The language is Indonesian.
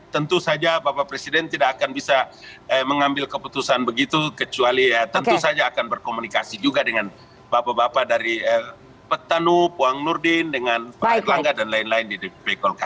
tentu saja bapak presiden tidak akan bisa mengambil keputusan begitu kecuali ya tentu saja akan berkomunikasi juga dengan bapak bapak dari petani puang nurdin dengan pak erlangga dan lain lain di dpp golkar